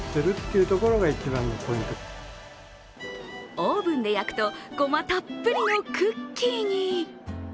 オーブンで焼くと、ごまたっぷりのクッキーに。